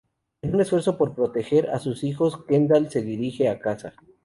En un esfuerzo por proteger a sus hijos, Kendall se dirige a casa.